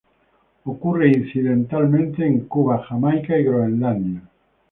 Ocurre incidentalmente en Cuba, Jamaica y Groenlandia.